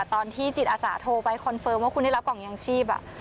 ตอนที่จิตอาสาโทรไปคอนเฟิร์มว่าคุณได้รับกล่องยางชีพ